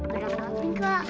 berapa nanti kak